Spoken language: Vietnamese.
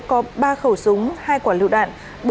có ba khẩu súng hai quả lưu đạn